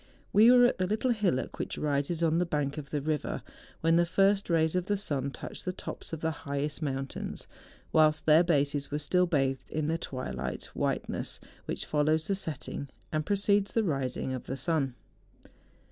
We were at the little hillock which rises on the bank of the river, when the first rays of the sun touched the tops of the highest mountains, whilst their bases were still bathed in the twilight white¬ ness which follows the setting, and precedes the rising of the sun.